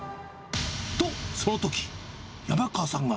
と、そのとき、山川さんが。